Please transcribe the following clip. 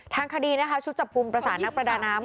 ทางคดีนะคะชุดจับกลุ่มประสานนักประดาน้ำ